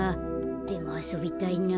でもあそびたいな。